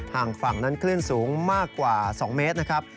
ห่างฝั่งนั้นคลื่นสูงมากกว่า๒เมตรนะครับ